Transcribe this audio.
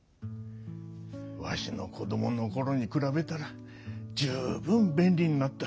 わしのこどものころに比べたら十分便利になった。